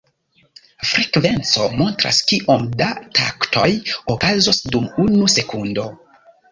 Frekvenco montras kiom da taktoj okazos dum unu sekundo.